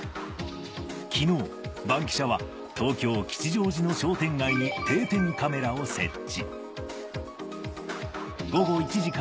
昨日『バンキシャ！』は東京・吉祥寺の商店街に定点カメラを設置。